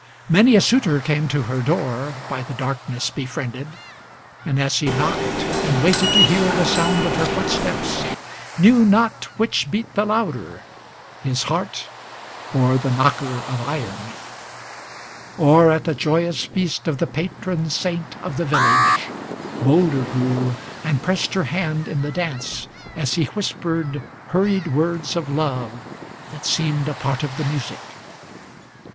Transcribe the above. Many a suitor came to her door, by the darkness befriended, And, as he knocked and waited to hear the sound of her footsteps, Knew not which beat the louder, his heart or the knocker of iron; Or at the joyous feast of the Patron Saint of the village, Bolder grew, and pressed her hand in the dance as he whispered Hurried words of love, that seemed a part of the music.